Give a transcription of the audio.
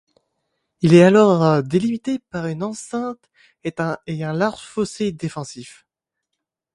Il est alors délimité par une enceinte et un large fossé défensif.